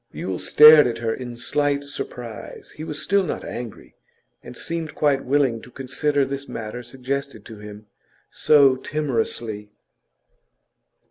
Yule stared at her in slight surprise. He was still not angry, and seemed quite willing to consider this matter suggested to him so timorously.